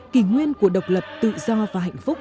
kỷ nguyên của độc lập tự do và hạnh phúc